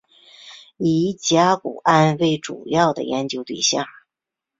以甲钴胺为主要的研究对象。